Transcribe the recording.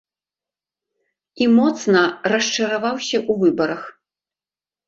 І моцна расчараваўся ў выбарах.